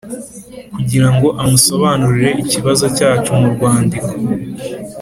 Kugira ngo amusobanurire ikibazo cyacu mu rwandiko